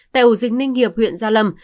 tại ổ dịch ninh hiệp huyện gia lâm